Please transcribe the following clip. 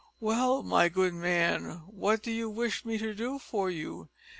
"Well, my good man, what do you wish me to do for you?